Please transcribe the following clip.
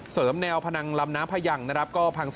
แนวพนังลำน้ำพยังนะครับ